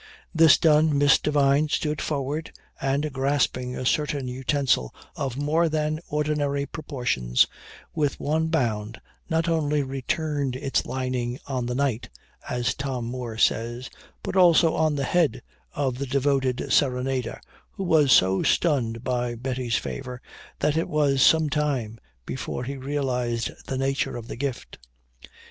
This done, Miss Devine stood forward, and, grasping a certain utensil of more than ordinary proportions, with one bound, not only "returned its lining on the night," as Tom Moore says, but also on the head of the devoted serenader, who was so stunned by Betty's favor, that it was some time before he realized the nature of the gift.